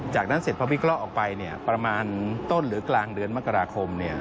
จากนั้นเสร็จพอวิเคราะห์ออกไปประมาณต้นหรือกลางเดือนมกราคม